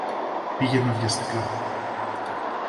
Πήγαινα βιαστικά